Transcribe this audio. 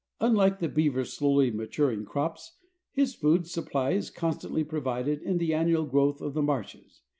Unlike the beaver's slowly maturing crops, his food supply is constantly provided in the annual growth of the marshes.